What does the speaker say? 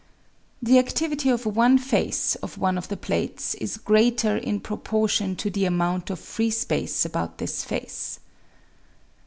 The adivity of one face of one of the plates is greater in proportion to the amount of free space about this face.